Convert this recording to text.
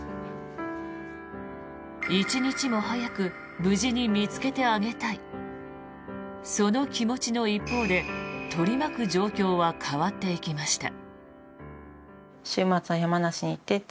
一日も早く無事に見つけてあげたいその気持ちの一方で取り巻く状況は変わっていきました。